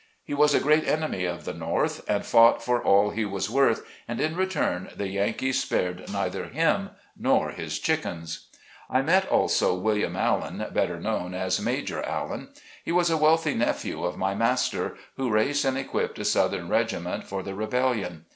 He was a great enemy of the North and fought for all he was worth, and in return the Yankees spared neither him nor his chickens. I met, also, William Allen, better known as Major Allen. He was a wealthy nephew of my master, who raised and equipped a southern regiment for the rebellion.